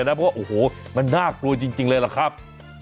เพราะว่าโอ้โหมันน่ากลัวจริงเลยล่ะครับ